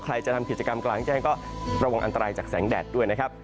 ใครจะทำกิจกรรมกลางแจ้งก็ระวังอันตรายจากแสงแดดด้วยนะครับ